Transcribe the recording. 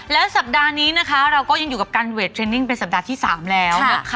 แล้วสัปดาห์นี้นะคะเราก็ยังอยู่กับการเวทเทรนนิ่งเป็นสัปดาห์ที่๓แล้วนะคะ